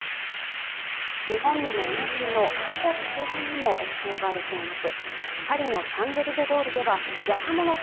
日本でもおなじみの観光地周辺にも影響が出ています。